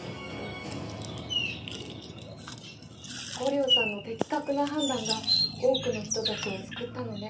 梧陵さんの的確な判断が多くの人たちを救ったのね。